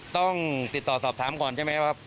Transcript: ต้องติดต่อสอบถามก่อนใช่ไหมว่า